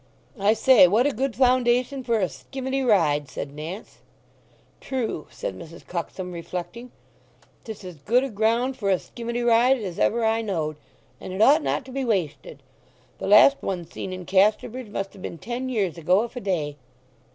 "I say, what a good foundation for a skimmity ride," said Nance. "True," said Mrs. Cuxsom, reflecting. "'Tis as good a ground for a skimmity ride as ever I knowed; and it ought not to be wasted. The last one seen in Casterbridge must have been ten years ago, if a day."